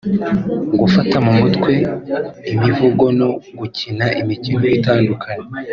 gufata mu mutwe imivugo no gukina imikino itandukanye